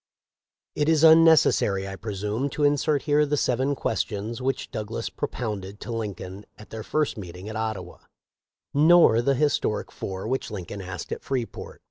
It is unnecessary, I presume, to insert here the seven questions which Douglas propounded to Lin coln at their first meeting at Ottawa, nor the his toric four which Lincoln asked at Freeport.